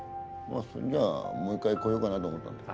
それじゃあもう一回来ようかなと思ったんだよ。